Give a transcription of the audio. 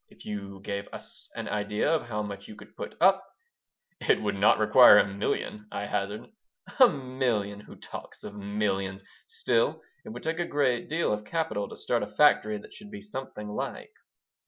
If you gave us an idea of how much you could put up " "It would not require a million," I hazarded "A million! Who talks of millions! Still, it would take a good deal of capital to start a factory that should be something like."